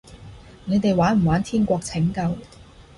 你哋玩唔玩天國拯救？